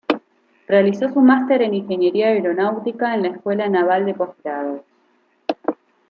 Realizó su master en ingeniería aeronáutica en la escuela naval de postgrados.